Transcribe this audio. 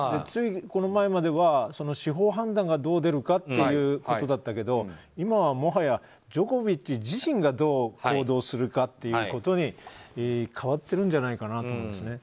ついこの前までは司法判断がどう出るかということだったけど今はもはやジョコビッチ自身がどう行動するかということに変わってるんじゃないかなと思います。